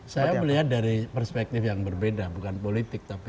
saya melihat dari perspektif yang berbeda bukan politik